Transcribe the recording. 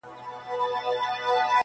پټ کي څرگند دی~